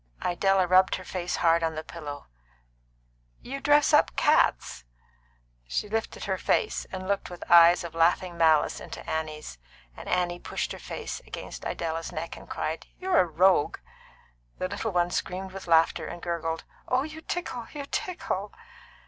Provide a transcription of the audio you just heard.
Idella rubbed her face hard on the pillow. "You dress up cats." She lifted her face, and looked with eyes of laughing malice into Annie's, and Annie pushed her face against Idella's neck and cried, "You're a rogue!" The little one screamed with laughter and gurgled: "Oh, you tickle! You tickle!"